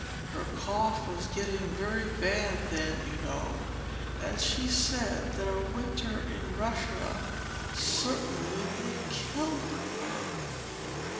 Her cough was getting very bad then, you know, and she said that a winter in Russia certainly would kill her.